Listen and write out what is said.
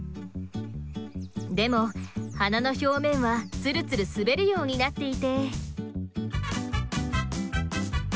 でも花の表面はツルツル滑るようになっていて。